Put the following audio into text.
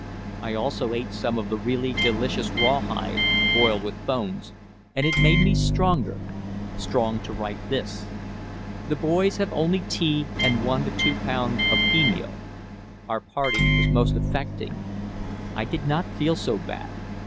I also ate some of the really delicious rawhide (boiled with bones) and it made me stronger strong to write this. The boys have only tea and 1 2 pound of pea meal. Our parting was most affecting. I did not feel so bad.